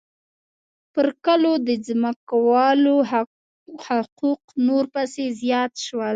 پر کلو د ځمکوالو حقوق نور پسې زیات شول